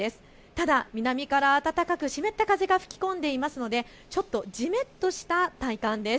ただ南から暖かく湿った風が吹き込んでいるのでちょっとじめっとした体感です。